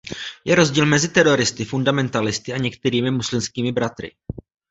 Je rozdíl mezi teroristy, fundamentalisty a některými Muslimskými bratry.